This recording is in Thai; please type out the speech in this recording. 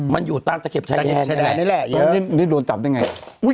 มันอยู่ตั้งแต่เซียนแดดเนี่ยแหละในนี้โดนจับได้ยังไง